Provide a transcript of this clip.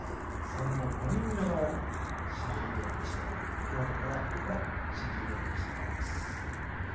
戦後５人目の京都からの新十両力士となります。